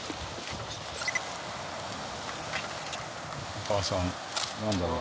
お母さんなんだろう？